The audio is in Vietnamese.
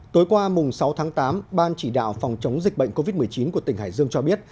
tối qua mùng sáu tháng tám ban chỉ đạo phòng chống dịch bệnh covid một mươi chín của tỉnh hải dương cho biết